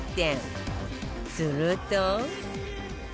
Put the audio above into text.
すると